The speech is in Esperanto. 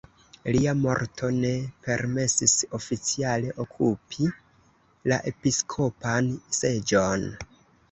Lia morto ne permesis oficiale okupi la episkopan seĝon.